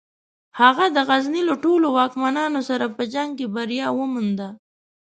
هغه د غزني له ټولو واکمنانو سره په جنګ کې بریا ومونده.